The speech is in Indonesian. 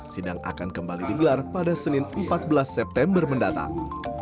sidang akan kembali digelar pada senin empat belas september mendatang